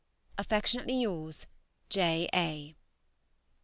Affectionately yours, J. A.